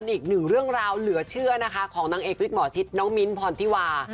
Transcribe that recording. อีกหนึ่งเรื่องราวเหลือเชื่อนะคะของนางเอกวิกหมอชิดน้องมิ้นท์พรธิวา